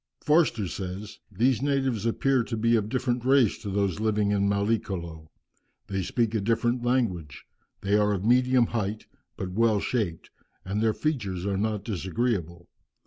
Forster says, "These natives appear to be of different race to those living in Mallicolo. They speak a different language. They are of medium height, but well shaped, and their features are not disagreeable.